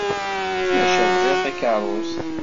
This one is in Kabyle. Maca bɣiɣ takeṛṛust.